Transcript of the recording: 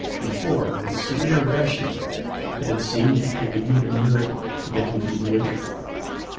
Before, with severe rationing, it had seemed that they would need a miracle to get them through the winter.